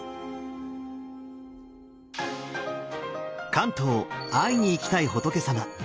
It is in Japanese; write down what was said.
「関東会いに行きたい仏さま」。